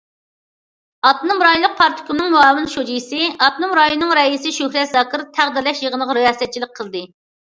ئاپتونوم رايونلۇق پارتكومنىڭ مۇئاۋىن شۇجىسى، ئاپتونوم رايوننىڭ رەئىسى شۆھرەت زاكىر تەقدىرلەش يىغىنىغا رىياسەتچىلىك قىلدى.